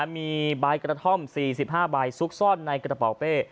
มีใบกระท่อม๔๕ใบซุกซ่อนในกระเป๋าเป้